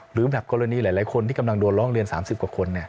หรือแบบกรณีหลายคนที่กำลังโดนร้องเรียน๓๐กว่าคน